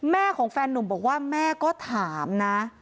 แม่ของแฟนนุ่มบอกว่าแม่ก็ถามนะ